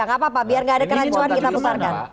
enggak apa apa biar enggak ada kerancuan kita putarkan